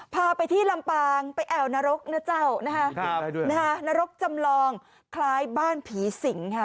พาไปที่ลำปางไปแอวนรกนะเจ้านะฮะนรกจำลองคล้ายบ้านผีสิงค่ะ